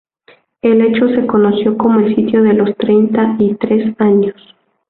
El hecho se conoció como el Sitio de los Treinta y Tres Años.